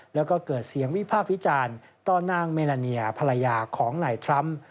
แล้วก็เกิดเสียงวิพากษ์วิจารณ์ต่อนางเมลาเนียภรรยาของนายทรัมป์